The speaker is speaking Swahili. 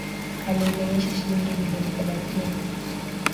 aliidhinisha shilingi bilioni thelathini